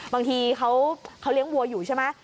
บางทีเขาเลี้ยงวัวอยู่ใช่ไหม